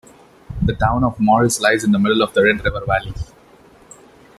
The town of Morris lies in the middle of the Red River Valley.